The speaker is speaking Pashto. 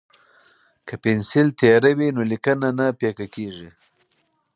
که پنسل تیره وي نو لیکنه نه پیکه کیږي.